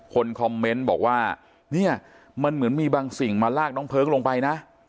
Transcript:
คนคอมเมนต์บอกว่าเนี่ยมันเหมือนมีบางสิ่งมาลากน้องเพิร์กลงไปนะ